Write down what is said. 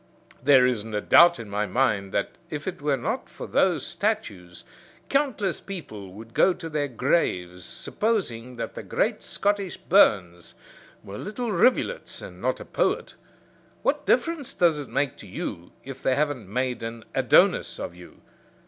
There isn't a doubt in my mind that if it were not for those statues countless people would go to their graves supposing that the great Scottish Burns were little rivulets, and not a poet. What difference does it make to you if they haven't made an Adonis of you?